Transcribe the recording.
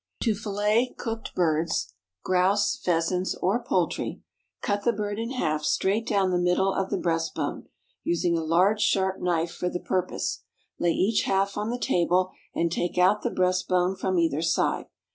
To Fillet Cooked Birds: Grouse, Pheasants, or Poultry. Cut the bird in half straight down the middle of the breast bone, using a large sharp knife for the purpose. Lay each half on the table and take out the breast bone from either side.